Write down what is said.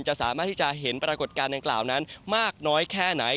สามารถที่จะเห็นปรากฏการณ์ดังกล่าวนั้นมากน้อยแค่ไหน